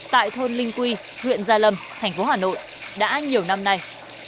tại thôn linh quy huyện gia lâm thành phố hà nội đã nhiều năm nay